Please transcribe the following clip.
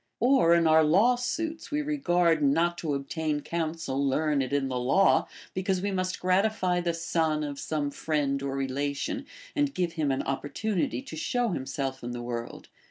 Or, in our laAvsuits, we regard not to obtain counsel learned in the laAv, be cause we must gratify the son of some friend or relation, and give him an opportunity to show himself in the Avorld.